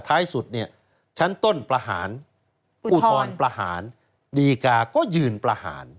ท้ายสุดเนี่ยชั้นต้นประหารอุทธรณ์ประหารดีกาก็ยืนประหาร